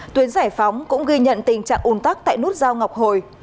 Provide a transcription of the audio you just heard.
tuyến giải phóng cũng ghi nhận tình trạng ồn tắc tại nút giao ngọc hồi